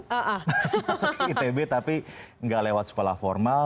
masuk ke itb tapi tidak lewat sekolah formal